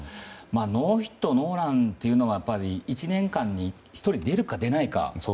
ノーヒットノーランというのは１年間に１人出るか出ないか。